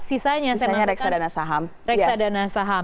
sisanya saya masukkan reksadana saham